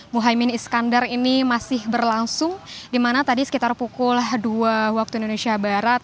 muhaymin iskandar ini masih berlangsung di mana tadi sekitar pukul dua waktu indonesia barat